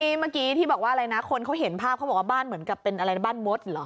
เมื่อกี้ที่บอกว่าอะไรนะคนเขาเห็นภาพเขาบอกว่าบ้านเหมือนกับเป็นอะไรบ้านมดเหรอ